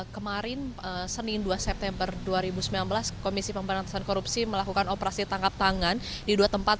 kemarin senin dua september dua ribu sembilan belas komisi pemberantasan korupsi melakukan operasi tangkap tangan di dua tempat